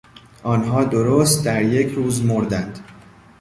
آنها درست در یک روز مردند.